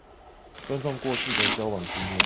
尊重過去的交往經驗